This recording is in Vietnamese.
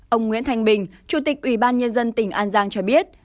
ông nguyễn thanh bình chủ tịch ủy ban nhân dân tỉnh an giang cho biết